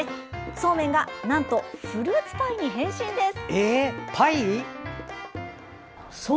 そうめんがなんとフルーツパイに変身です。